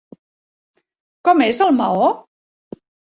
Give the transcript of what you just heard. Com és el maó?